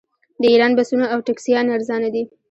د ایران بسونه او ټکسیانې ارزانه دي.